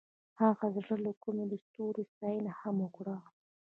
هغې د زړه له کومې د ستوري ستاینه هم وکړه.